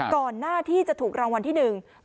ก่อนหน้าที่จะถูกรางวัลที่หนึ่ง